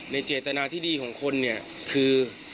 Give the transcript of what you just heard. ในเจตนาที่ดีของคนคือ